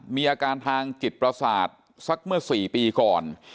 มีอาการทางจิตประสาทสักเมื่อ๔ปีก่อน